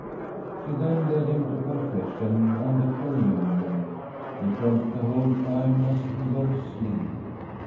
She then led him to confession and the Com munion. He felt the whole time as if he were asleep.